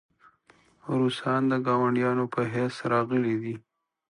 روسان د ګاونډیانو په حیث راغلي دي.